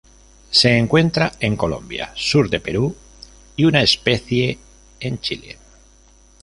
Se encuentra en Colombia, sur de Perú, y una especie en Chile.